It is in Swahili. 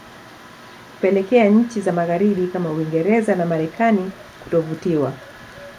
kupelekea nchi za magharibi kama Uingereza na Marekani kutovutiwa